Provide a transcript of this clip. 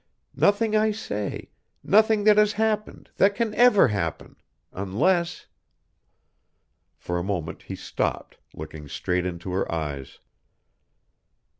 Nothing, I say nothing that has happened that can ever happen unless " For a moment he stopped, looking straight into her eyes.